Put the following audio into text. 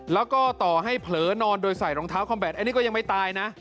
แล้วก็ต่อให้เผลอนอนโดยใส่รองเท้าคอมแบตอันนี้ก็ยังไม่ตายนะ